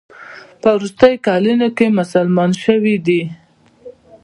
په وروستیو کلونو کې مسلمان شوی دی.